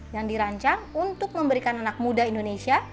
yang dirancang untuk memberikan anak muda indonesia